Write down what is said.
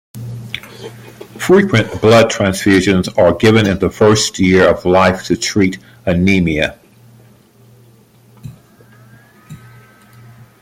Frequent blood transfusions are given in the first year of life to treat anemia.